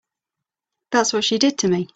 That's what she did to me.